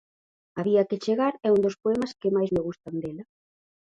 Había que chegar é un dos poemas que máis me gustan dela.